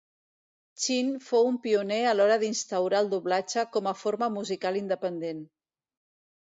Chin fou un pioner a l'hora d'instaurar el doblatge com a forma musical independent.